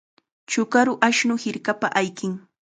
Chukaru ashnu hirkapa ayqin.